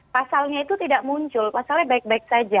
pasalnya itu tidak muncul pasalnya baik baik saja